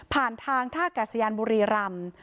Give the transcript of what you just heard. ผ่านทางท่ากัศยานบุรีรำ